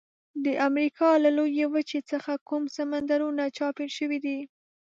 د امریکا له لویې وچې څخه کوم سمندرونه چاپیر شوي دي؟